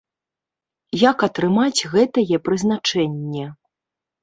Як атрымаць гэтае прызначэнне?